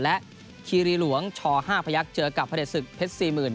และคีรีหลวงชห้าพระยักษณ์เจอกับพระเด็จศึกเพชรสี่หมื่น